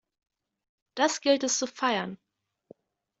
Das gilt es zu feiern!